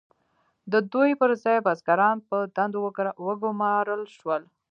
د دوی پر ځای بزګران په دندو وګمارل شول.